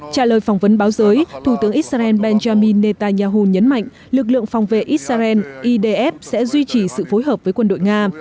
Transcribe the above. trả lời phỏng vấn báo giới thủ tướng israel benjamin netanyahu nhấn mạnh lực lượng phòng vệ israel idf sẽ duy trì sự phối hợp với quân đội nga